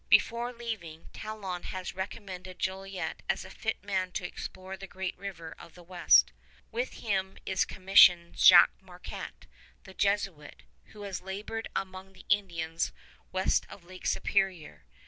Before leaving, Talon has recommended Jolliet as a fit man to explore the Great River of the West. With him is commissioned Jacques Marquette, the Jesuit, who has labored among the Indians west of Lake Superior.